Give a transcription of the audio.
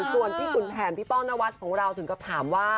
ส่วนพี่คุณแผนปี่โป้นบ๊าวนวัฒท์คราวถึงก็ถามว่า